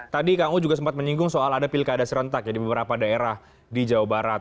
tadi kang uwu juga sempat menyinggung soal ada pilkadas rentak di beberapa daerah di jawa barat